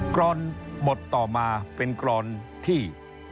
กรอนบทต่อมาเป็นกรอนที่